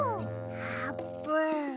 あーぷん。